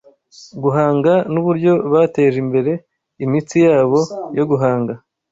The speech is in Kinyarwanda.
guhanga nuburyo bateje imbere imitsi yabo yo guhanga